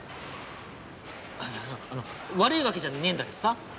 あっいやあの悪いわけじゃねぇんだけどさ